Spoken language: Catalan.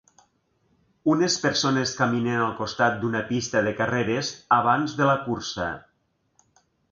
Unes persones caminen al costat d'una pista de carreres abans de la cursa.